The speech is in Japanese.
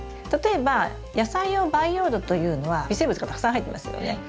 例えば野菜用培養土というのは微生物がたくさん入ってますよね。